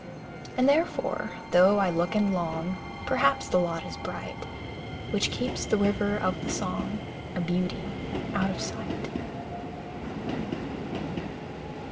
And therefore, though I look and long, Perhaps the lot is bright Which keeps the river of the song A beauty out of sight.